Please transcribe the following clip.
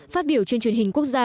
phát biểu trên truyền hình quốc gia